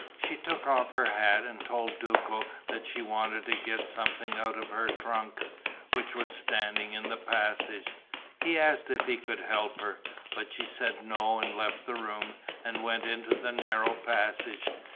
She took off her hat and told Duco that she wanted to get something out of her trunk, which was standing in the passage. He asked if he could help her; but she said no and left the room and went into the narrow passage.